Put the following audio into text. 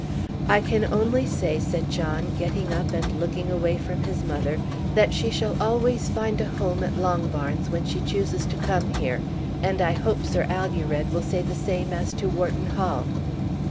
"I can only say," said John, getting up and looking away from his mother, "that she shall always find a home at Longbarns when she chooses to come here, and I hope Sir Alured will say the same as to Wharton Hall."